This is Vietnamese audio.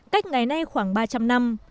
cách ngày nay khoảng ba trăm linh năm